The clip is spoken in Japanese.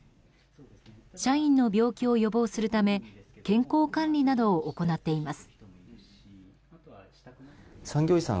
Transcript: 社員の病気を予防するため健康管理などを行っています。